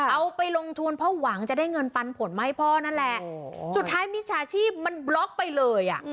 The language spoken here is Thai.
เอาไปลงทุนเพราะหวังจะได้เงินปันผลมาให้พ่อนั่นแหละสุดท้ายมิจฉาชีพมันบล็อกไปเลยอ่ะ